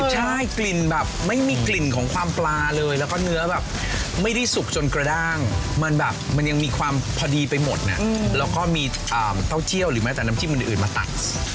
ใช่กลิ่นแบบไม่มีกลิ่นของความปลาเลยแล้วก็เนื้อแบบไม่ได้สุกจนกระด้างมันแบบมันยังมีความพอดีไปหมดแล้วก็มีเต้าเจี่ยวหรือแม้แต่น้ำจิ้มอื่นมาตัก